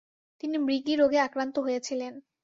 তিনি মৃগী রোগে আক্রান্ত হয়েছিলেন।